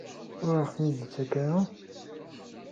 Ur aɣ-ten-id-tettak ara?